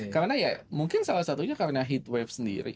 karena ya mungkin salah satunya karena heatwave sendiri